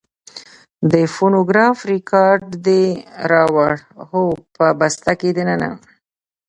د فونوګراف رېکارډ دې راوړ؟ هو، په بسته کې دننه.